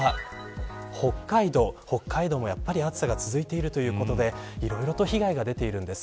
北海道もやっぱり暑さが続いているということでいろいろと被害が出ているんです。